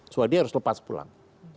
swadhi harus lepas pulang